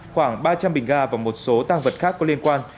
khoảng ba trăm linh bình ga và một số tăng vật khác có liên quan